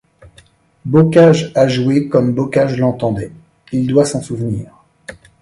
Bocage a joué comme Bocage l'entendait ; il doit s'en souvenir.